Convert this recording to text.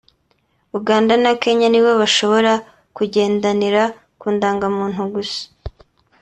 Uganda na Kenya nibo bashobora kugenderanira ku ndangamuntu gusa